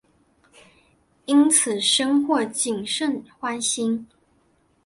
因此深获景胜欢心。